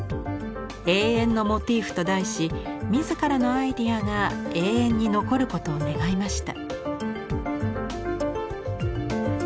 「永遠のモティーフ」と題し自らのアイデアが永遠に残ることを願いました。